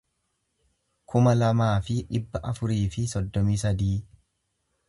kuma lamaa fi dhibba afurii fi soddomii sadii